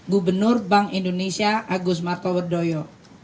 gubernur bank indonesia agus martowedoyo